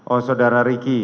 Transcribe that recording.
oh saudara riki